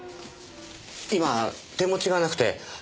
今手持ちがなくて。